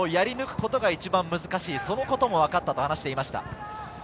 そのシンプルをやり抜くことが一番難しい、そのことも分かったと話していました。